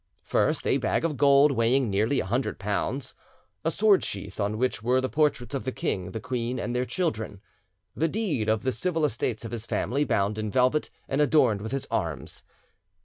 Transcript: First a bag of gold weighing nearly a hundred pounds, a sword sheath on which were the portraits of the king, the queen, and their children, the deed of the civil estates of his family bound in velvet and adorned with his arms.